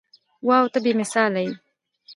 واو ته بې مثاله يې.